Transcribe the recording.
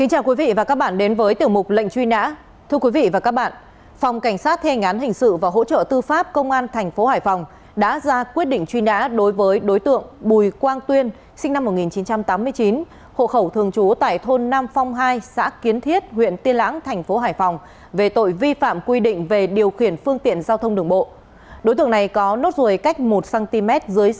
hãy đăng ký kênh để ủng hộ kênh của chúng mình nhé